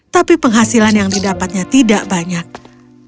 tapi penghasilan yang didapatkan tidak berhasil